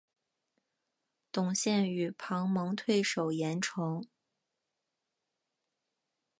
董宪与庞萌退守郯城。